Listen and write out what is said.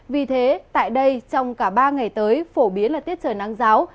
vì thế tại đây trong cả ba ngày tới phổ biến là tiết trời nắng giáo